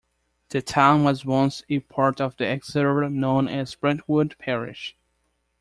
The town was once a part of Exeter known as "Brentwood Parish".